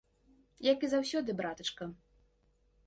Як і заўсёды, братачка.